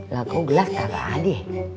lah aku gelas kagak lagi